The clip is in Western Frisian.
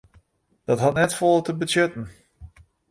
Dat hat net folle te betsjutten.